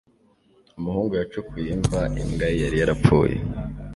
Umuhungu yacukuye imva imbwa ye yari yarapfuye.